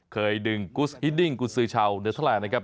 ก็คือกุสฮิดดิงกุญสืชาวเนื้อทะเลนะครับ